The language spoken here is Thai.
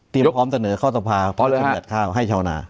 เตรียมพร้อมเถอะเหนือข้าวธรรมภาพภาชบัตรข้าวให้ชาวนาร